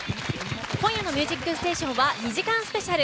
今夜の「ミュージックステーション」は２時間スペシャル。